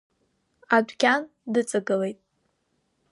Адәқьан дыҵагылеит.